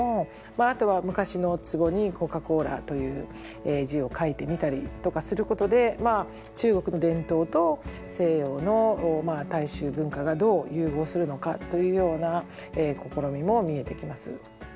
あとは昔の壺に「Ｃｏｃａ−Ｃｏｌａ」という字を書いてみたりとかすることで中国の伝統と西洋の大衆文化がどう融合するのかというような試みも見えてきます。